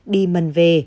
đi mần về